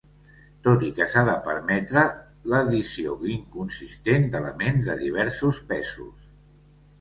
Tot i que s'ha de permetre l'addició 'inconsistent' d'elements de diversos pesos.